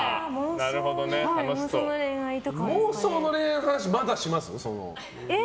妄想の恋愛の話、まだします？